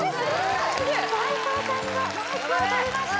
齊藤さんがマイクを取りました・